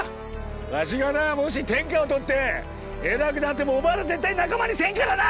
わしがなもし天下をとって偉くなってもお前ら絶対仲間にせんからな！